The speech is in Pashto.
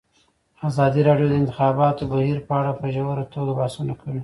ازادي راډیو د د انتخاباتو بهیر په اړه په ژوره توګه بحثونه کړي.